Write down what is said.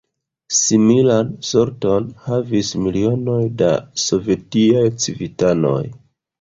Similan sorton havis milionoj da sovetiaj civitanoj.